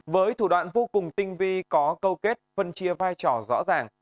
với thủ đoạn vô cùng tinh vi có câu kết phân chia vai trò rõ ràng